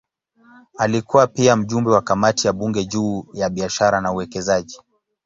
Alikuwa pia mjumbe wa kamati ya bunge juu ya biashara na uwekezaji.